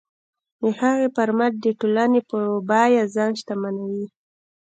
د هغې پر مټ د ټولنې په بیه ځان شتمنوي.